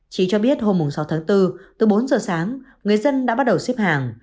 trí cho biết hôm sáu tháng bốn từ bốn giờ sáng người dân đã bắt đầu xếp hàng